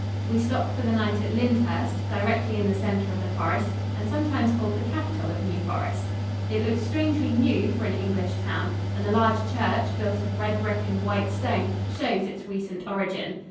We stopped for the night at Lyndhurst, directly in the center of the forest and sometimes called the capital of New Forest. It looks strangely new for an English town, and the large church, built of red brick and white stone, shows its recent origin.